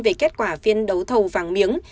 về kết quả phiên đấu thầu vàng miếng